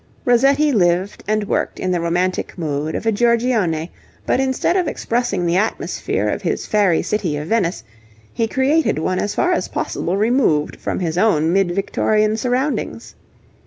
Rossetti lived and worked in the romantic mood of a Giorgione, but instead of expressing the atmosphere of his fairy city of Venice, he created one as far as possible removed from his own mid Victorian surroundings.